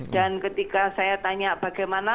dan ketika saya tanya bagaimana